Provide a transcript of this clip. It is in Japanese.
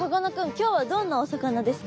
今日はどんなお魚ですか？